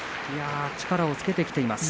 力をつけてきています。